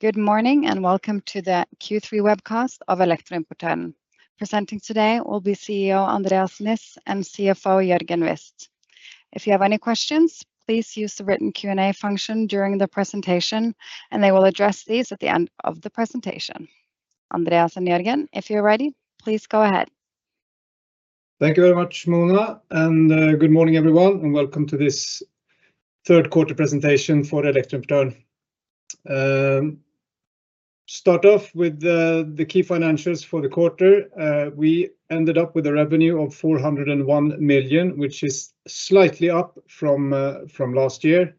Good morning, and welcome to the Q3 webcast of Elektroimportøren. Presenting today will be CEO Andreas Niss and CFO Jørgen Wist. If you have any questions, please use the written Q&A function during the presentation, and they will address these at the end of the presentation. Andreas and Jørgen, if you're ready, please go ahead. Thank you very much, Mona, and good morning, everyone, and welcome to this third quarter presentation for Elektroimportøren. Start off with the key financials for the quarter. We ended up with a revenue of 401 million, which is slightly up from last year.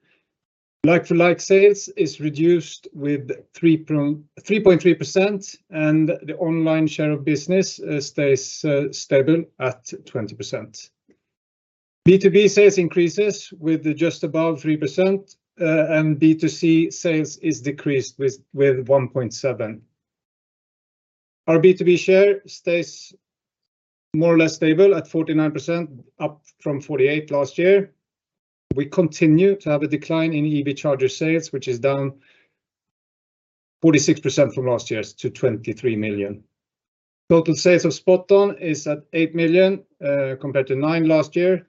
Like-for-like sales is reduced with 3.3%, and the online share of business stays stable at 20%. B2B sales increases with just above 3%, and B2C sales is decreased with 1.7%. Our B2B share stays more or less stable at 49%, up from 48% last year. We continue to have a decline in EV charger sales, which is down 46% from last year to 23 million. Total sales of SpotOn is at 8 million, compared to 9 million last year.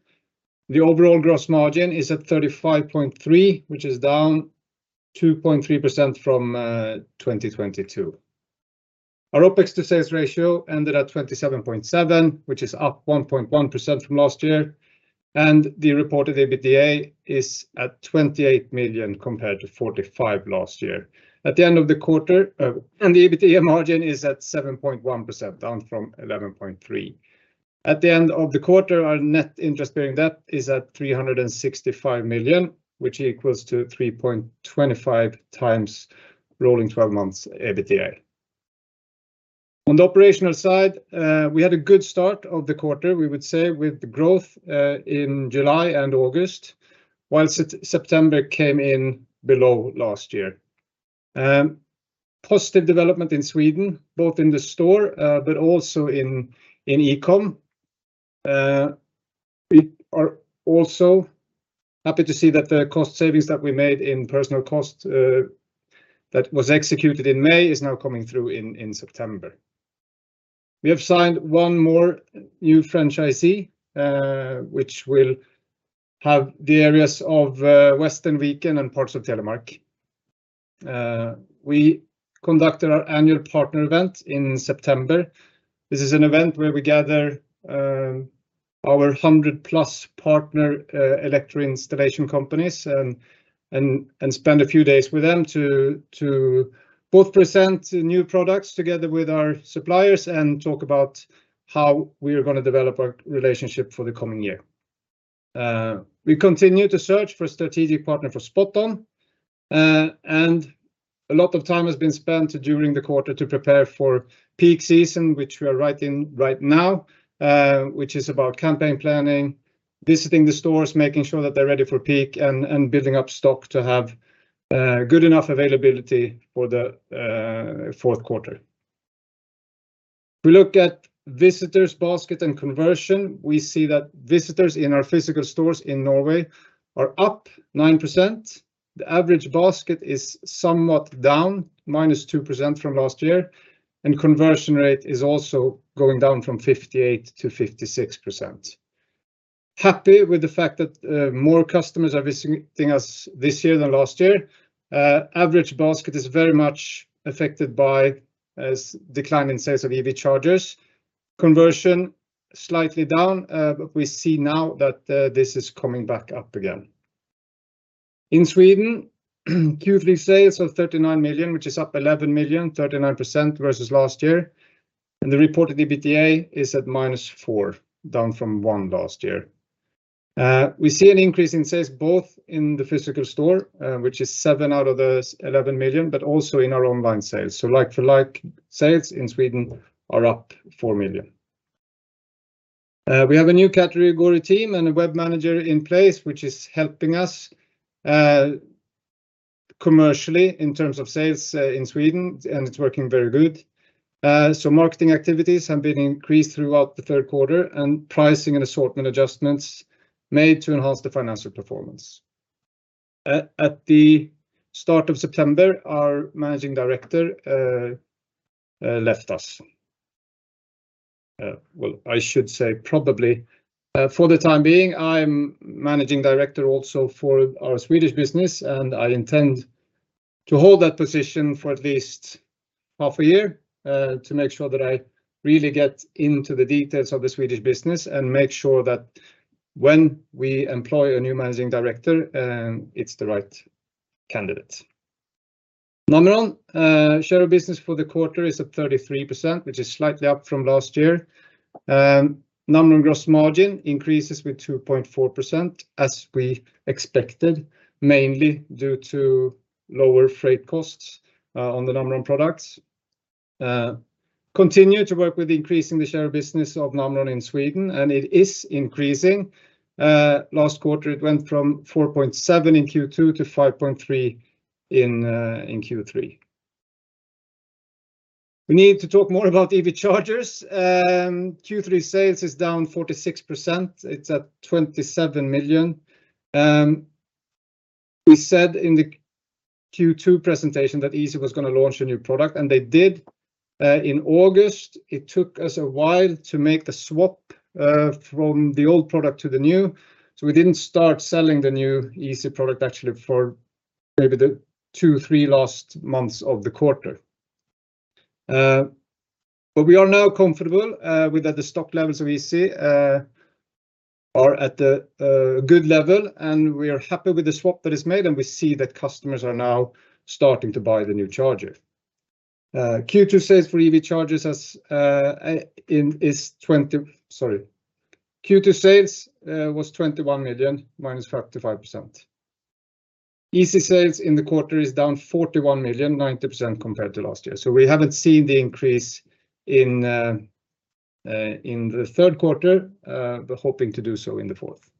The overall gross margin is at 35.3, which is down 2.3% from 2022. Our OPEX to sales ratio ended at 27.7, which is up 1.1% from last year, and the reported EBITDA is at 28 million, compared to 45 million last year. At the end of the quarter, the EBITDA margin is at 7.1%, down from 11.3. At the end of the quarter, our net interest-bearing debt is at 365 million, which equals 3.25 times rolling twelve months EBITDA. On the operational side, we had a good start of the quarter, we would say, with growth in July and August, while September came in below last year. Positive development in Sweden, both in the store, but also in e-com. We are also happy to see that the cost savings that we made in personal cost that was executed in May is now coming through in September. We have signed one more new franchisee which will have the areas of western Viken and parts of Telemark. We conducted our annual partner event in September. This is an event where we gather our 100-plus partner electrical installation companies and spend a few days with them to both present new products together with our suppliers and talk about how we are gonna develop our relationship for the coming year. We continue to search for a strategic partner for SpotOn. And a lot of time has been spent during the quarter to prepare for peak season, which we are right in right now, which is about campaign planning, visiting the stores, making sure that they're ready for peak, and, and building up stock to have good enough availability for the fourth quarter. We look at visitors, basket, and conversion. We see that visitors in our physical stores in Norway are up 9%. The average basket is somewhat down, -2% from last year, and conversion rate is also going down from 58%-56%. Happy with the fact that more customers are visiting us this year than last year. Average basket is very much affected by a decline in sales of EV chargers. Conversion, slightly down, but we see now that this is coming back up again. In Sweden, Q3 sales of 39 million, which is up 11 million, 39% versus last year, and the reported EBITDA is at -4, down from 1 last year. We see an increase in sales both in the physical store, which is 7 million out of those 11 million, but also in our online sales. So like-for-like, sales in Sweden are up 4 million. We have a new category team and a web manager in place, which is helping us, commercially in terms of sales, in Sweden, and it's working very good. So marketing activities have been increased throughout the third quarter, and pricing and assortment adjustments made to enhance the financial performance. At the start of September, our managing director left us. Well, I should say, probably, for the time being, I'm managing director also for our Swedish business, and I intend to hold that position for at least half a year, to make sure that I really get into the details of the Swedish business and make sure that when we employ a new managing director, it's the right candidate. Namron share of business for the quarter is at 33%, which is slightly up from last year. Namron gross margin increases with 2.4%, as we expected, mainly due to lower freight costs on the Namron products. Continue to work with increasing the share of business of Namron in Sweden, and it is increasing. Last quarter, it went from 4.7 in Q2 to 5.3 in Q3. We need to talk more about EV chargers. Q3 sales is down 46%. It's at 27 million. We said in the Q2 presentation that Easee was gonna launch a new product, and they did, in August. It took us a while to make the swap, from the old product to the new, so we didn't start selling the new Easee product actually for maybe the two, three last months of the quarter. But we are now comfortable with that the stock levels of Easee are at a good level, and we are happy with the swap that is made, and we see that customers are now starting to buy the new charger. Q2 sales for EV chargers... Sorry. Q2 sales was 21 million, minus 55%. Easee sales in the quarter is down 41 million, 90% compared to last year. So we haven't seen the increase in the third quarter, but hoping to do so in the fourth.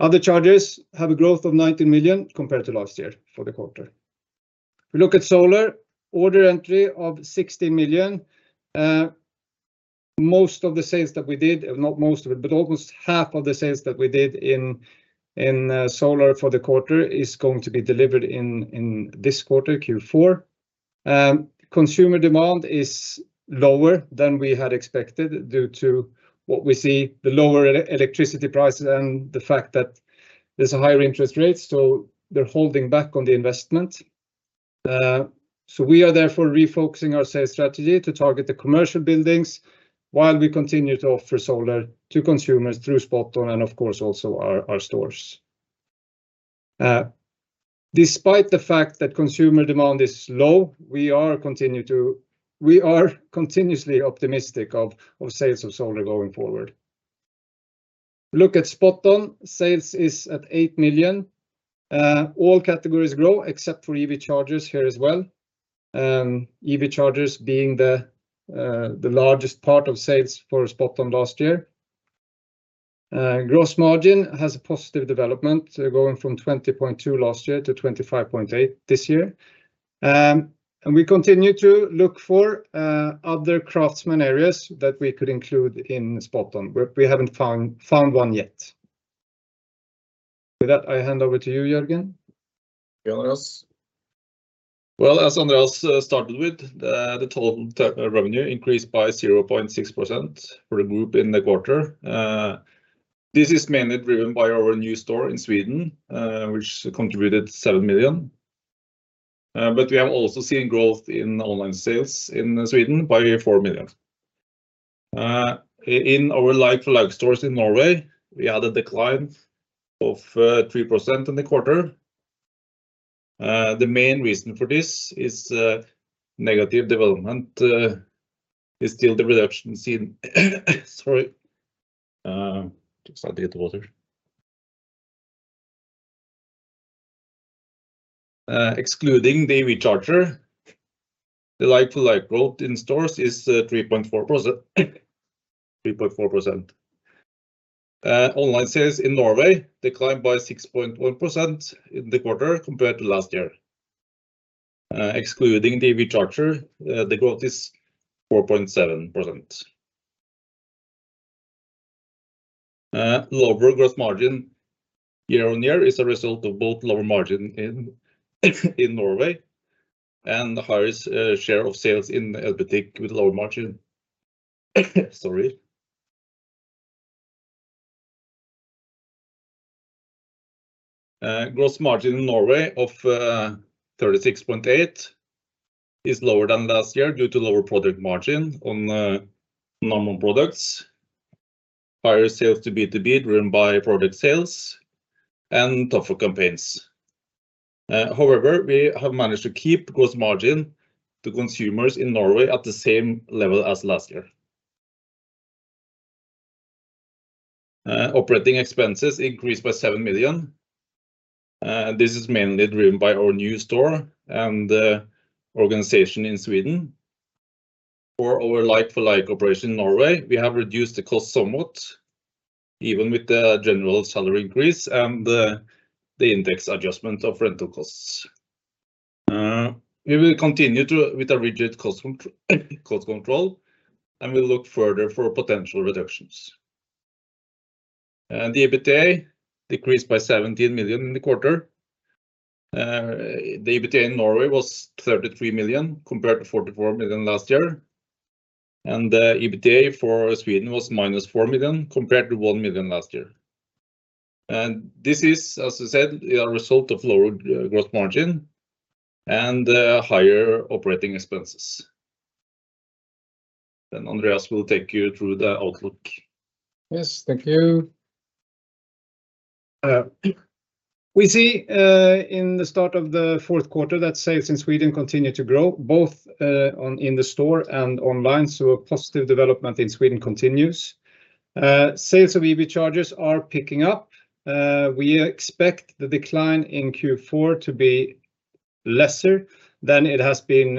Other chargers have a growth of 19 million compared to last year for the quarter. We look at solar. Order entry of 60 million. Most of the sales that we did, if not most of it, but almost half of the sales that we did in solar for the quarter is going to be delivered in this quarter, Q4. Consumer demand is lower than we had expected due to what we see, the lower electricity prices and the fact that there's a higher interest rate, so they're holding back on the investment. So we are therefore refocusing our sales strategy to target the commercial buildings, while we continue to offer solar to consumers through SpotOn and, of course, also our stores. Despite the fact that consumer demand is low, we are continuously optimistic of sales of solar going forward. Look at SpotOn. Sales is at 8 million. All categories grow except for EV chargers here as well, EV chargers being the largest part of sales for SpotOn last year. Gross margin has a positive development, going from 20.2% last year to 25.8% this year. And we continue to look for other craftsman areas that we could include in SpotOn. We haven't found one yet. With that, I hand over to you, Jørgen. Well, as Andreas started with, the total revenue increased by 0.6% for the group in the quarter. This is mainly driven by our new store in Sweden, which contributed 7 million. But we have also seen growth in online sales in Sweden by 4 million. In our like-for-like stores in Norway, we had a decline of 3% in the quarter. The main reason for this is negative development is still the reduction seen. Excluding the EV charger, the like-for-like growth in stores is 3.4%. 3.4%. Online sales in Norway declined by 6.1% in the quarter compared to last year. Excluding the EV charger, the growth is 4.7%. Lower gross margin year-on-year is a result of both lower margin in Norway and the highest share of sales in Elbutik with lower margin. Sorry. Gross margin in Norway of 36.8 is lower than last year due to lower product margin on normal products, higher sales to B2B, driven by product sales and tougher campaigns. However, we have managed to keep gross margin to consumers in Norway at the same level as last year. Operating expenses increased by 7 million. This is mainly driven by our new store and organization in Sweden. For our like-for-like operation in Norway, we have reduced the cost somewhat, even with the general salary increase and the index adjustment of rental costs. We will continue with a rigid cost control, and we'll look further for potential reductions. The EBITDA decreased by 17 million in the quarter. The EBITDA in Norway was 33 million, compared to 44 million last year, and the EBITDA for Sweden was minus 4 million, compared to 1 million last year. This is, as I said, a result of lower gross margin and higher operating expenses. Then Andreas will take you through the outlook. Yes, thank you. We see in the start of the fourth quarter, that sales in Sweden continue to grow, both on in the store and online, so a positive development in Sweden continues. Sales of EV chargers are picking up. We expect the decline in Q4 to be lesser than it has been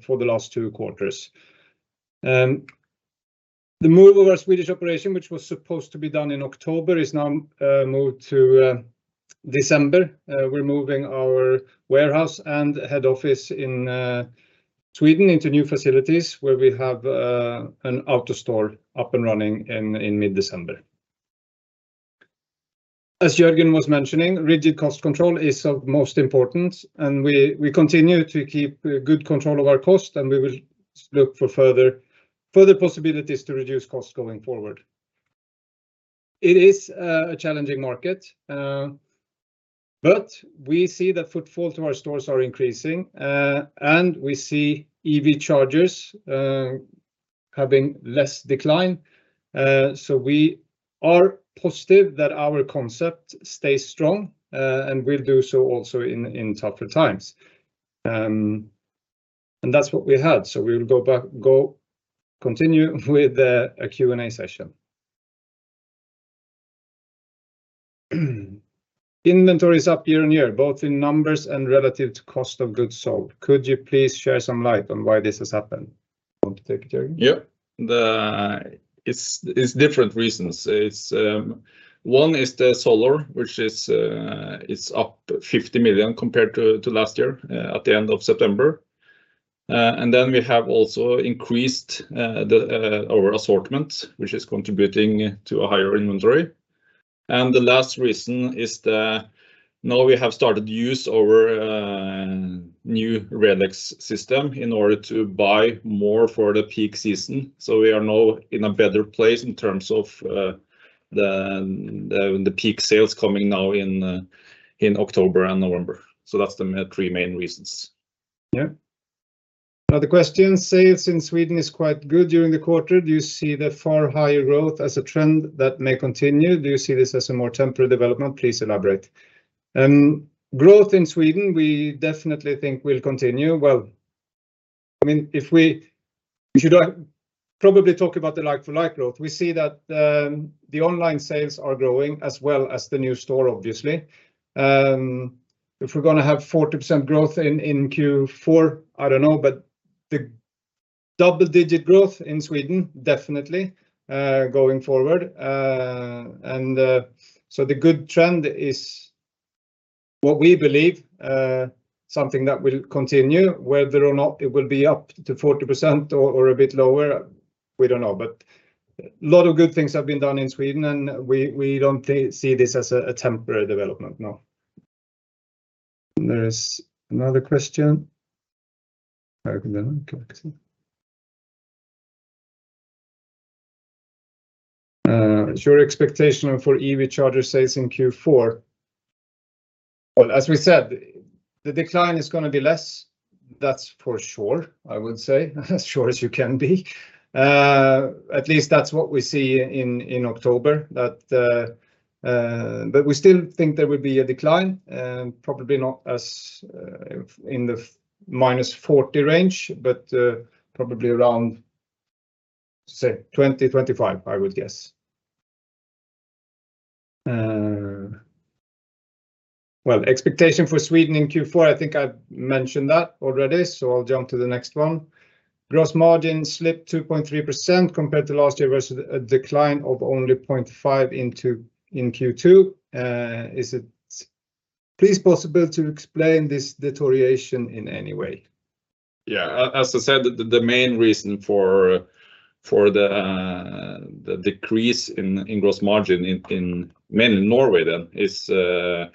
for the last two quarters. The move of our Swedish operation, which was supposed to be done in October, is now moved to December. We're moving our warehouse and head office in Sweden into new facilities, where we have an AutoStore up and running in mid-December. As Jørgen was mentioning, rigid cost control is of most importance, and we continue to keep good control of our cost, and we will look for further possibilities to reduce costs going forward. It is a challenging market, but we see that footfall to our stores are increasing. And we see EV chargers having less decline. So we are positive that our concept stays strong, and will do so also in tougher times. And that's what we had, so we'll continue with a Q&A session. Inventory is up year-on-year, both in numbers and relative to cost of goods sold. Could you please shed some light on why this has happened? Want to take it, Jørgen? Yeah. It's different reasons. It's one is the solar, which is it's up 50 million compared to last year at the end of September. And then we have also increased our assortment, which is contributing to a higher inventory. And the last reason is that now we have started use our new RELEX system in order to buy more for the peak season. So we are now in a better place in terms of the peak sales coming now in October and November. So that's the three main reasons. Yeah. Another question, sales in Sweden is quite good during the quarter. Do you see the far higher growth as a trend that may continue? Do you see this as a more temporary development? Please elaborate. Growth in Sweden, we definitely think will continue. Well, I mean, if we should probably talk about the like-for-like growth. We see that the online sales are growing as well as the new store, obviously. If we're gonna have 40% growth in Q4, I don't know, but the double-digit growth in Sweden definitely going forward. And so the good trend is, what we believe, something that will continue. Whether or not it will be up to 40% or a bit lower, we don't know. But a lot of good things have been done in Sweden, and we don't see this as a temporary development, no. There is another question. What's your expectation for EV charger sales in Q4? Well, as we said, the decline is gonna be less. That's for sure, I would say, as sure as you can be. At least that's what we see in October. But we still think there will be a decline, probably not as in the -40 range, but probably around, say, 20-25, I would guess. Well, expectation for Sweden in Q4, I think I've mentioned that already, so I'll jump to the next one. Gross margin slipped 2.3% compared to last year versus a decline of only 0.5% in Q2. Is it please possible to explain this deterioration in any way? Yeah, as I said, the main reason for the decrease in gross margin in mainly Norway then is the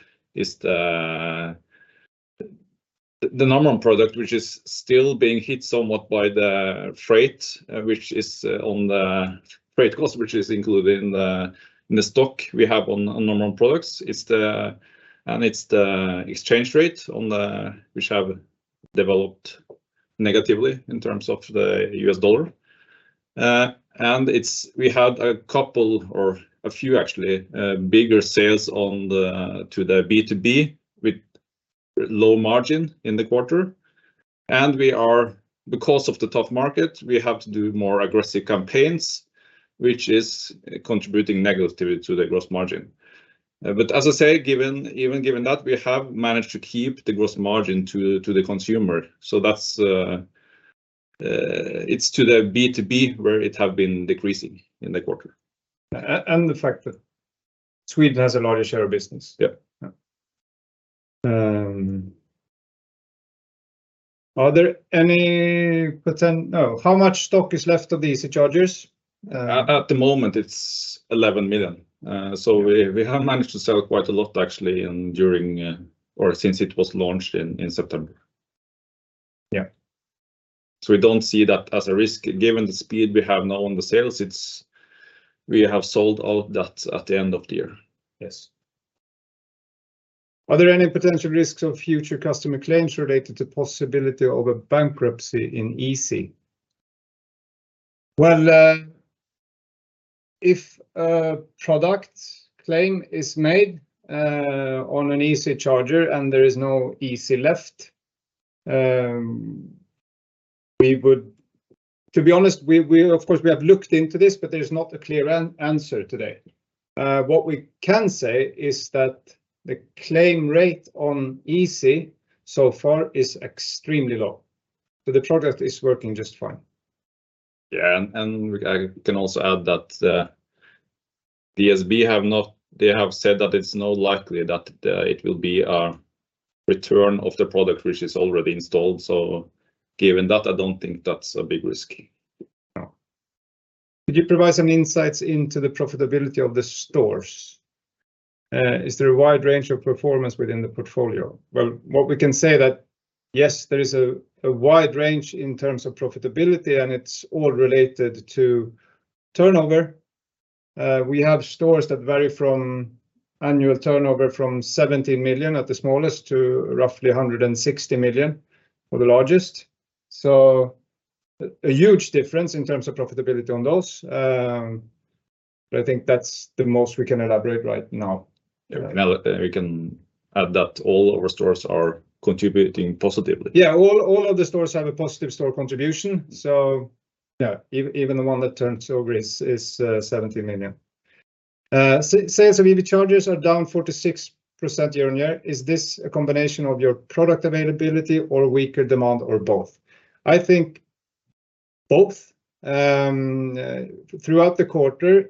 Namron product, which is still being hit somewhat by the freight, which is on the freight cost, which is included in the stock we have on Namron products. It's the... And it's the exchange rate on the- which have developed negatively in terms of the US dollar. And we had a couple, or a few actually, bigger sales to the B2B with low margin in the quarter. And because of the tough market, we have to do more aggressive campaigns, which is contributing negatively to the gross margin. But as I say, given, even given that, we have managed to keep the gross margin to the consumer. So that's, it's to the B2B, where it have been decreasing in the quarter. and the fact that Sweden has a larger share of business. Yeah. Yeah. How much stock is left of the Easee chargers? At the moment, it's 11 million. So we have managed to sell quite a lot, actually, or since it was launched in September. Yeah. We don't see that as a risk, given the speed we have now on the sales. We have sold all that at the end of the year. Yes. Are there any potential risks of future customer claims related to possibility of a bankruptcy in Easee? Well, if a product claim is made on an Easee charger and there is no Easee left, to be honest, we, we of course, we have looked into this, but there is not a clear answer today. What we can say is that the claim rate on Easee so far is extremely low. So the project is working just fine. Yeah, and I can also add that DSB have not. They have said that it's not likely that it will be a return of the product, which is already installed. So given that, I don't think that's a big risk. No. "Could you provide some insights into the profitability of the stores? Is there a wide range of performance within the portfolio?" Well, what we can say that, yes, there is a wide range in terms of profitability, and it's all related to turnover. We have stores that vary from annual turnover from 70 million at the smallest, to roughly 160 million for the largest. So a huge difference in terms of profitability on those. But I think that's the most we can elaborate right now. Yeah. We can add that all our stores are contributing positively. Yeah, all of the stores have a positive store contribution, so yeah, even the one that turns over is 70 million. "Sales of EV chargers are down 46% year-on-year. Is this a combination of your product availability or weaker demand, or both?" I think both. Throughout the quarter,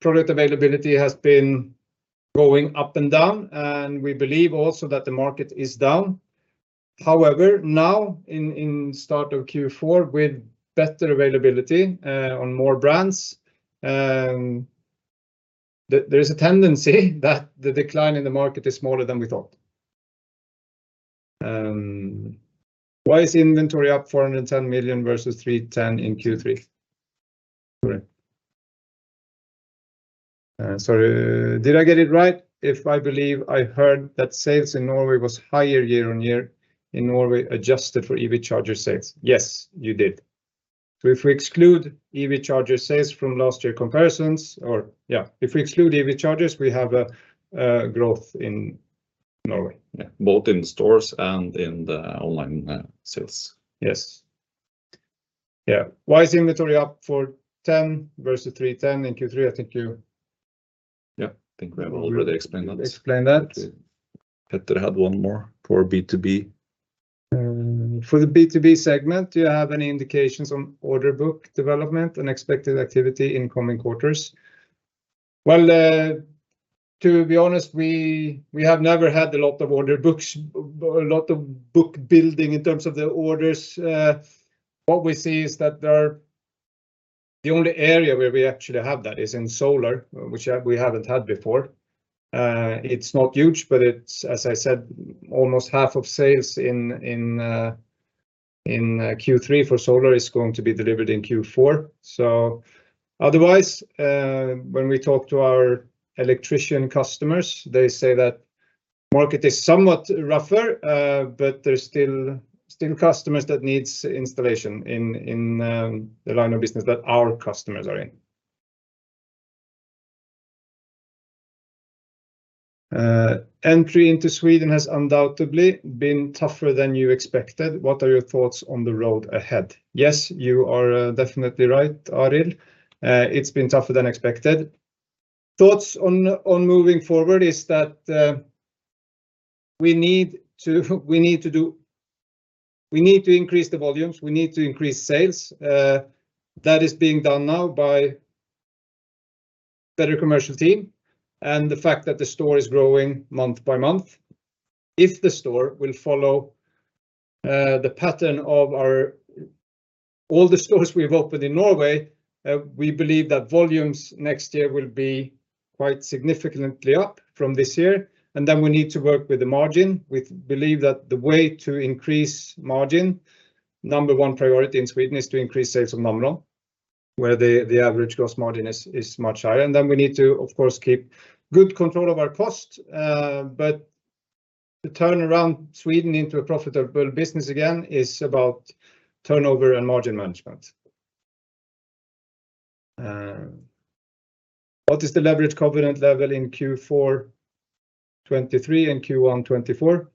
product availability has been going up and down, and we believe also that the market is down. However, now in start of Q4, with better availability on more brands, there is a tendency that the decline in the market is smaller than we thought. "Why is inventory up 410 million versus 310 million in Q3?" Sorry. Sorry, "Did I get it right if I believe I heard that sales in Norway was higher year-on-year in Norway, adjusted for EV charger sales?" Yes, you did. So if we exclude EV charger sales from last year comparisons or... Yeah, if we exclude EV chargers, we have a growth in Norway. Yeah, both in stores and in the online sales. Yes. Yeah. "Why is inventory up 410 versus 310 in Q3?" I think you- Yeah, I think we have already explained that. Explained that. Petter had one more for B2B. For the B2B segment, do you have any indications on order book development and expected activity in coming quarters?" Well, to be honest, we have never had a lot of order books, a lot of book building in terms of the orders. What we see is that our, the only area where we actually have that is in solar, which we haven't had before. It's not huge, but it's, as I said, almost half of sales in Q3 for solar is going to be delivered in Q4. So otherwise, when we talk to our electrician customers, they say that market is somewhat rougher, but there's still customers that needs installation in the line of business that our customers are in. "Entry into Sweden has undoubtedly been tougher than you expected. What are your thoughts on the road ahead?" Yes, you are definitely right, Arild. It's been tougher than expected. Thoughts on moving forward is that we need to increase the volumes, we need to increase sales. That is being done now by better commercial team and the fact that the store is growing month by month. If the store will follow the pattern of our all the stores we've opened in Norway, we believe that volumes next year will be quite significantly up from this year, and then we need to work with the margin. We believe that the way to increase margin, number one priority in Sweden, is to increase sales on Namron, where the average gross margin is much higher. We need to, of course, keep good control of our cost, but to turn around Sweden into a profitable business again, is about turnover and margin management. "What is the leverage covenant level in Q4 2023 and Q1 2024?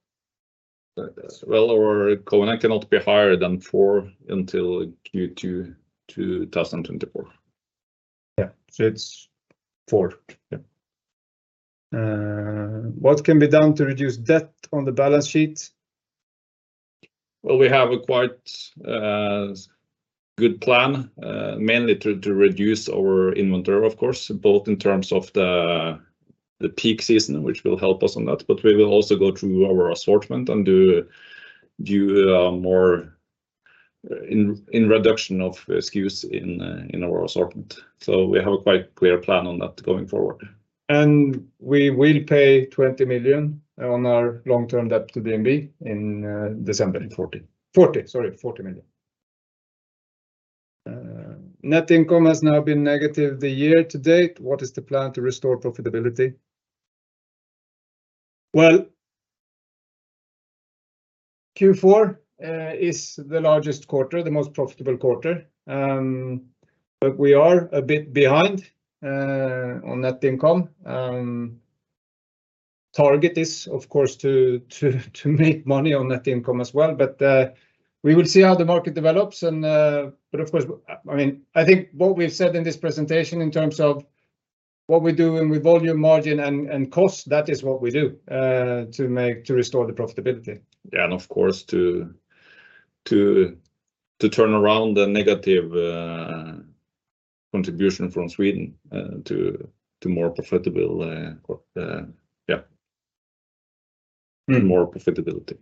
Well, our covenant cannot be higher than 4 until Q2 2024. Yeah. So it's 4. Yeah. What can be done to reduce debt on the balance sheet? Well, we have a quite good plan mainly to reduce our inventory, of course, both in terms of the peak season, which will help us on that. But we will also go through our assortment and do more in reduction of SKUs in our assortment. So we have a quite clear plan on that going forward. We will pay 20 million on our long-term debt to DNB in December. Forty. 40 million. "Net income has now been negative the year to date. What is the plan to restore profitability?" Well, Q4 is the largest quarter, the most profitable quarter. But we are a bit behind on net income. Target is, of course, to make money on net income as well, but we will see how the market develops, and... But of course, I mean, I think what we've said in this presentation in terms of what we're doing with volume, margin, and cost, that is what we do to make to restore the profitability. Yeah, and of course, to turn around the negative contribution from Sweden to more profitable, yeah- Mm... more profitability.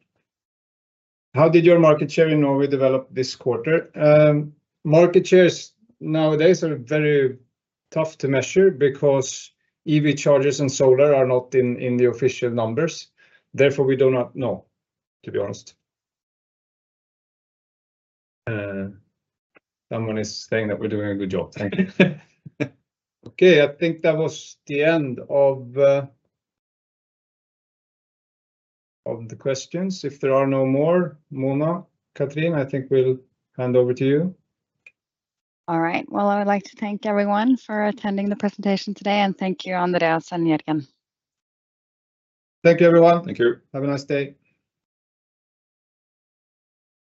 How did your market share in Norway develop this quarter?" Market shares nowadays are very tough to measure because EV chargers and solar are not in the official numbers. Therefore, we do not know, to be honest. Someone is saying that we're doing a good job. Thank you. Okay, I think that was the end of the questions. If there are no more, Mona-Cathrin, I think we'll hand over to you. All right. Well, I would like to thank everyone for attending the presentation today, and thank you, Andreas and Jørgen. Thank you, everyone. Thank you. Have a nice day.